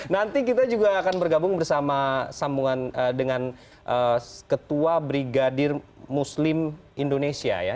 nanti kita juga akan bergabung bersama sambungan dengan ketua brigadir muslim indonesia ya